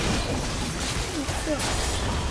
垂穗虎尾草为禾本科虎尾草属下的一个种。